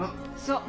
そう。